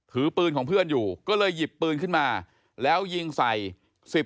ถือปืนของเพื่อนอยู่ก็เลยหยิบปืนขึ้นมาแล้วยิงใส่สิบ